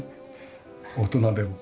大人でも。